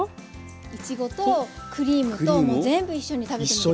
いちごとクリームともう全部一緒に食べてみて下さい。